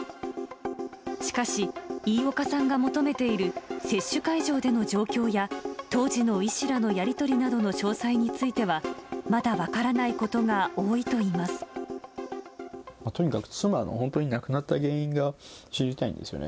しかし、飯岡さんが求めている接種会場での状況や、当時の医師らのやり取りなどの詳細については、まだ分からないことにかく妻の、本当に亡くなった原因が知りたいんですよね。